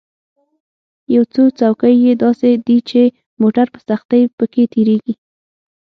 یو څو کوڅې یې داسې دي چې موټر په سختۍ په کې تېرېږي.